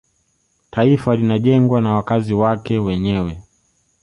taifa linajengwa na wakazi wake wenyewe